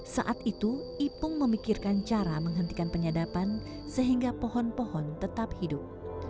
saat itu ipung memikirkan cara menghentikan penyadapan sehingga pohon pohon tetap hidup